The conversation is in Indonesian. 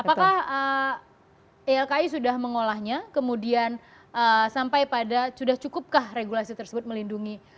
apakah ilki sudah mengolahnya kemudian sampai pada sudah cukupkah regulasi tersebut melindungi